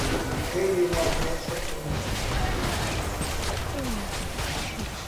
Dê-lhe uma bolsa quente